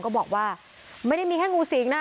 ก็บอกว่าไม่ได้มีแค่งูสิงนะ